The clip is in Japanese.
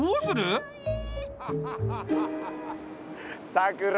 さくら